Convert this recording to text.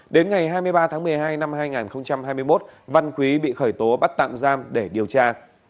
đến ngày hai mươi ba tháng một mươi hai năm hai nghìn hai mươi một văn quý bị khởi tố bắt tạm giam để điều tra